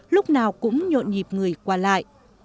lúc nào cũng nhộn nhịp người qua lại